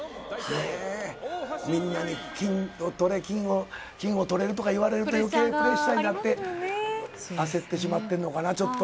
みんなに金をとれるとか言われて、よけいプレッシャーになって、汗ってしまってるのかな、ちょっと。